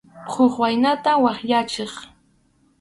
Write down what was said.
Huk waynata waqyaychik.